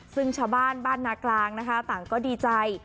ซึ่งชาวบ้านบ้านนากลางนะคะต่างก็ดีใจ